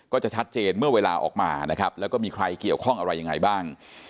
ก็จะชัดเจนเมื่อเวลาออกมานะครับแล้วก็มีใครเกี่ยวข้องอะไรยังไงบ้าง